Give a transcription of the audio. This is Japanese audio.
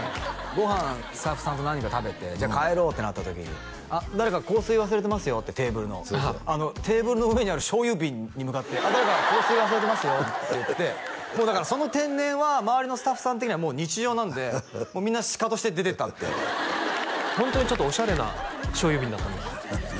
ご飯スタッフさんと何か食べてじゃあ帰ろうってなった時に「あっ誰か香水忘れてますよ」ってテーブルのテーブルの上にある醤油瓶に向かって「あっ誰か香水忘れてますよ」って言ってもうだからその天然は周りのスタッフさん的には日常なんでもうみんなシカトして出てったってホントにちょっとオシャレな醤油瓶だったんです